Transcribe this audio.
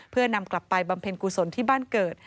เพื่อนำกลับไปบำเพ็ญกุศลที่บ้านเกิด